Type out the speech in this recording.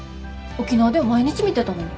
沖縄では毎日見てたのに。